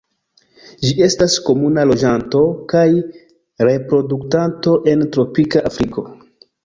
Ĝi estas komuna loĝanto kaj reproduktanto en tropika Afriko.